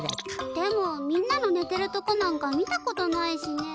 でもみんなの寝てるとこなんか見たことないしねえ。